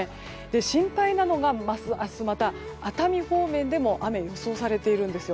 心配なのが明日また、熱海方面でも雨が予想されているんです。